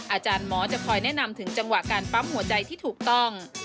อาจารย์หมอจะคอยแนะนำถึงจังหวะการปั๊มหัวใจที่ถูกต้อง